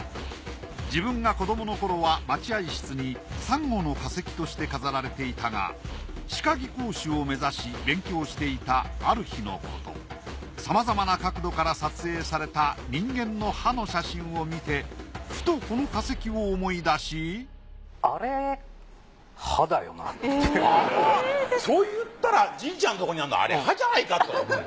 自分が子どもの頃は待合室にサンゴの化石として飾られていたが歯科技工士を目指し勉強していたある日のことさまざまな角度で撮影された人間の歯の写真を見てふとこの化石を思い出しそういったらじいちゃんとこにあんのあれ歯じゃないかと。